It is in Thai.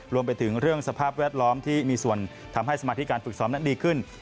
รวมไปถึงเรื่องสภาพแวดล้อมที่มีส่วนทำให้สมาธิการฝึกซ้อมนั้นดีขึ้น